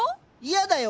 嫌だよ。